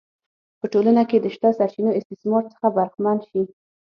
په ټولنه کې د شته سرچینو استثمار څخه برخمن شي.